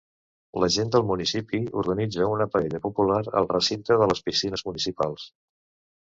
La gent del municipi organitza una paella popular al recinte de les piscines municipals.